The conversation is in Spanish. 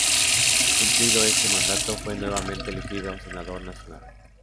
Cumplido este mandato, fue nuevamente elegido senador nacional.